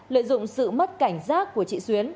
lợi dụng sự mất cảnh giác của chị xuyến